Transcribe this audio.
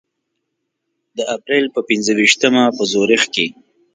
د اپریل په پنځه ویشتمه په زوریخ کې.